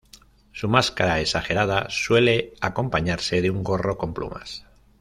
Su máscara, exagerada, suele acompañarse de un gorro con plumas.